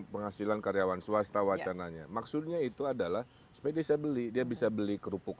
penghasilan karyawan swasta wacananya maksudnya itu adalah sepeda saya beli dia bisa beli kerupuk